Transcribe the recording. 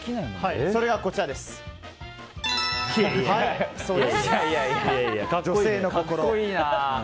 それが、女性の心です。